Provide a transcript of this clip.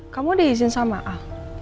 kamu diizin sama al